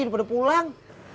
udah pada pulang